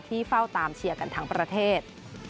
เฝ้าตามเชียร์กันทั้งประเทศ